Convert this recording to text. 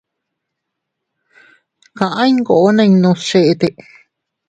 Kaʼa iyngoo ninnus cheʼete.